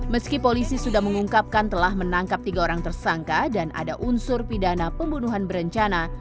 meski polisi sudah mengungkapkan telah menangkap tiga orang tersangka dan ada unsur pidana pembunuhan berencana